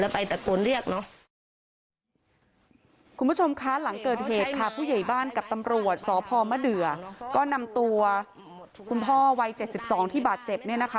ผู้ใหญ่บ้านกับตำรวจสพมะเดือก็นำตัวคุณพ่อวัย๗๒ที่บาทเจ็บ